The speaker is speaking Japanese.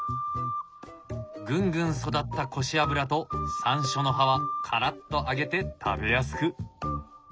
ぐんぐん育ったコシアブラとサンショウの葉はカラッと揚げて食べやすく。